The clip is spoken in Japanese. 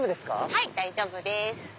はい大丈夫です。